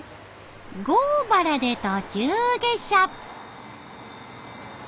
郷原で途中下車。